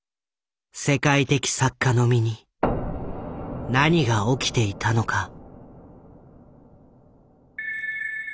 世界的作家の身に何が起きていたのか。